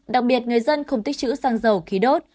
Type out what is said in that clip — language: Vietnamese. đặc biệt người dân không tích chữ sang dầu khi đốt